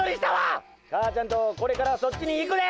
母ちゃんとこれからそっちに行くで！